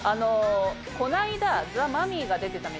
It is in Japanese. この間ザ・マミィが出てたみたいです。